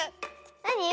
なに？